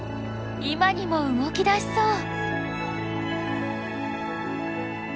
今にも動き出しそう。